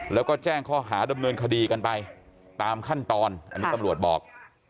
แล้วก็แจ้งข้อหาดำเนินคดีกันไปตามขั้นตอนอันนี้ตำรวจบอก